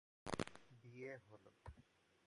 বিয়ে হল।